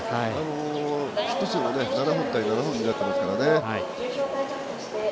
ヒット数が７本対７本になっていますからね。